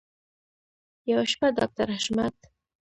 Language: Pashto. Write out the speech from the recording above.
یوه شپه ډاکټر حشمت